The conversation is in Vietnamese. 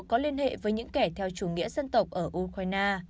có liên hệ với những kẻ theo chủ nghĩa dân tộc ở ukraine